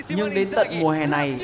nhưng đến tận mùa hè này